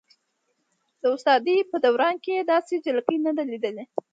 د استادۍ په دوران کې یې داسې جلکۍ نه ده لیدلې.